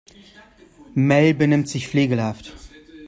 Mel benimmt sich flegelhaft.